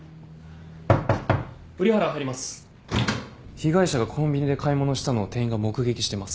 被害者がコンビニで買い物したのを店員が目撃してます。